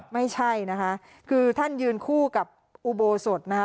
ไม่ใช่นะคะคือท่านยืนคู่กับอุโบสถนะคะ